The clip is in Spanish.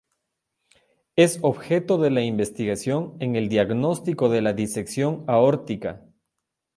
Es objeto de la investigación en el diagnóstico de la disección aórtica.